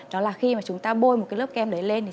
đó là khi chúng ta bôi một lớp kem đấy lên